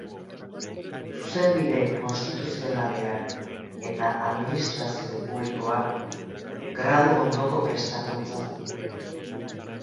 Zuzenbide Konstituzionalean eta Administrazio Publikoan gradu-ondoko prestakuntza du.